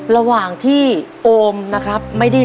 ระหว่างที่โอมนะครับไม่ได้เรียนนะครับ